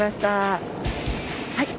はい。